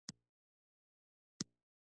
دواړه لوري باید په پریکړه راضي وي.